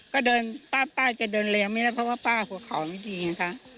ก็เดินป้าจะเดินเลี้ยไม่ได้เพราะว่าป้าหัวเขาไม่ดีไงคะ